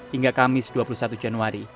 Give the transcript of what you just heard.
hingga kamis dua puluh satu januari